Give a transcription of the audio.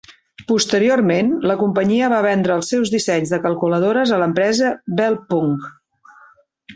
Posteriorment, la companyia va vendre els seus dissenys de calculadores a l'empresa Bell Punch.